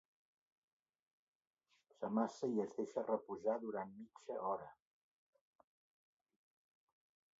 S'amassa i es deixa reposar durant mitja hora.